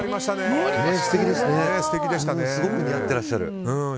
ものすごく似合ってらっしゃる。